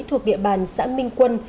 thuộc địa bàn xã minh quân